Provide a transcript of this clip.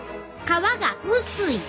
皮が薄い！